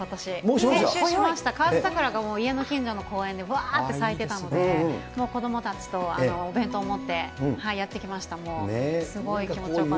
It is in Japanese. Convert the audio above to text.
先週しました、河津桜が家の近所の公園でばーっと咲いていたので、もう子どもたちとお弁当持ってやってきました、